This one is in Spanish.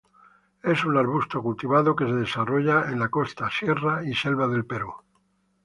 Es un arbusto cultivado que desarrolla en la costa, sierra y selva de Perú.